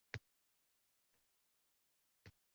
Unga katta mehnat sarflangan.